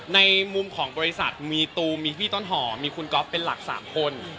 ในมุมของบริษัทมีตูมมีพี่ต้นหอมมีคุณก๊อฟเป็นหลัก๓คน